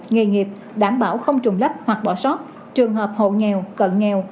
nghề nghiệp đảm bảo không trùng lấp hoặc bỏ sót trường hợp hộ nghèo cận nghèo